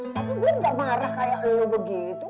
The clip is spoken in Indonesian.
tapi gue gak marah kayak lo begitu